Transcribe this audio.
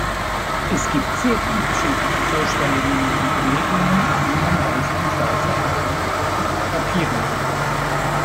Es gibt sehr unterschiedliche Vorstellungen und Überlegungen, wie man beispielsweise heilen oder therapieren kann.